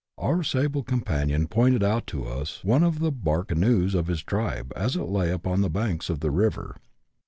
Our sable companion pointed out to us one of the bark canoes of his tribe, as it lay upon the banks of the river.